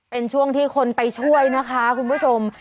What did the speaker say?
เป็นช่วงที่คนไปช่วยนะคะคุณผู้ชม